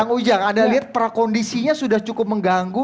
kang ujang anda lihat prakondisinya sudah cukup mengganggu